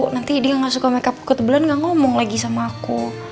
nanti dia gak suka makeup kebetulan gak ngomong lagi sama aku